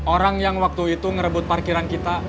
orang yang waktu itu ngerebut parkiran kita